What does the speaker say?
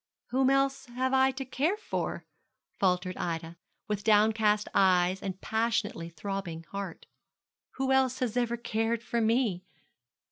'Whom else have I to care for?' faltered Ida, with downcast eyes and passionately throbbing heart. 'Who else has ever cared for me?'